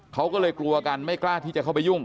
เขาก็เลยกลัวกันไม่กล้าที่จะเข้าไปยุ่ง